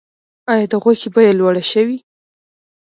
آیا د غوښې بیه لوړه شوې؟